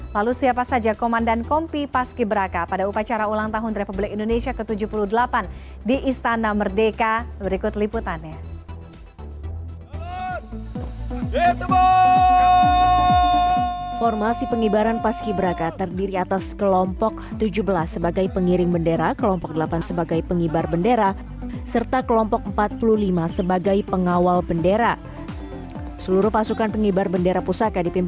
lalu siapa saja komandan kompi paskiberaka pada upacara ulang tahun republik indonesia ke tujuh puluh delapan di istana merdeka berikut liputannya